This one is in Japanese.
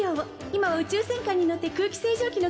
今は宇宙戦艦に乗って空気清浄機の